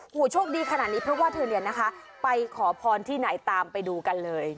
โอ้โหโชคดีขนาดนี้เพราะว่าเธอเนี่ยนะคะไปขอพรที่ไหนตามไปดูกันเลย